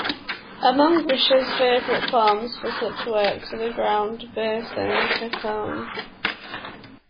Among Risher's favorite forms for such works are the ground bass and chaconne.